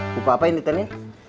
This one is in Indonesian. buku apa ini